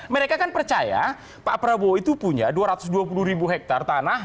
mereka kan percaya pak prabowo itu punya dua ratus dua puluh ribu hektare tanah